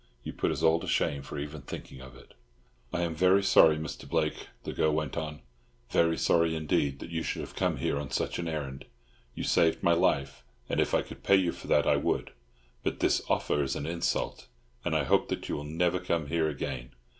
You put us all to shame for even thinking of it." "I am very sorry, Mr. Blake," the girl went on, "very sorry indeed that you should have come here on such an errand. You saved my life, and if I could pay you for that I would; but this offer is an insult, and I hope that you will never come here again.